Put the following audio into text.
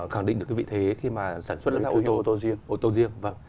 khẳng định được cái vị thế khi mà sản xuất những cái ô tô riêng